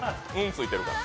ついてるから。